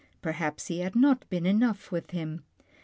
Perhaps he had not been enough with him.